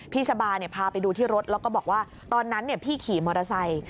ชะบาพาไปดูที่รถแล้วก็บอกว่าตอนนั้นพี่ขี่มอเตอร์ไซค์